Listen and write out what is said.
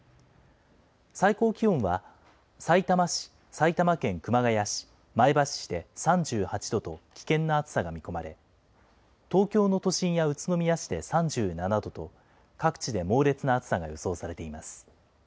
最高気温はさいたま市、埼玉県熊谷市、前橋市で３８度と危険な暑さが見込まれ、東京の都心や宇都宮市で３７度と、各地で猛烈な暑さが予想されています。